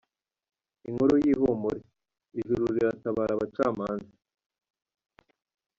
Inkuru y’ihumure, Ijuru riratabara Abacamanza